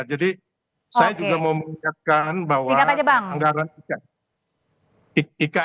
jadi saya juga mau mengingatkan bahwa anggaran ikn